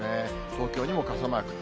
東京にも傘マークと。